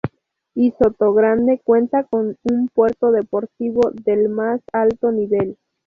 Y Sotogrande cuenta con un puerto deportivo del más alto nivel.